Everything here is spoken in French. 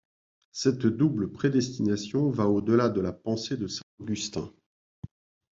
Cette double prédestination va au-delà de la pensée de saint Augustin.